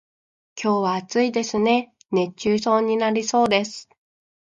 今日は暑いですね、熱中症になりそうです。